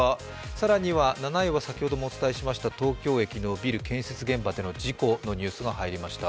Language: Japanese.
更には７位は先ほどもお伝えしました東京駅の建設現場での事故のニュースが入りました。